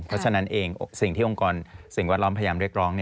เพราะฉะนั้นเองสิ่งที่องค์กรสิ่งแวดล้อมพยายามเรียกร้อง